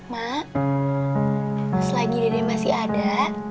mak selagi dede masih ada